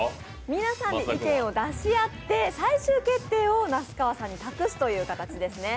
皆さんで意見を出し合って、最終決定を那須川さんに託すという形ですね。